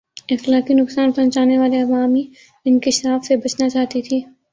اخلاقی نقصان پہچانے والے عوامی انکشاف سے بچنا چاہتی تھِی